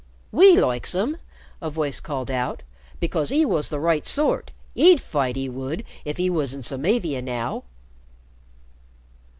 "We likes 'im," a voice called out, "becos 'e wos the right sort; 'e'd fight, 'e would, if 'e was in Samavia now."